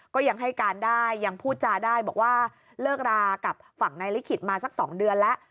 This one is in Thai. ก็ยังให้การได้ยังพูดจาได้บอกว่าเลิกรากับฝั่งนายลิขิตมาสัก๒เดือนแล้ว